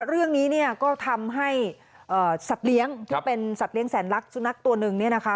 เรื่องนี้เนี่ยก็ทำให้สัตว์เลี้ยงที่เป็นสัตว์เลี้ยแสนรักสุนัขตัวหนึ่งเนี่ยนะคะ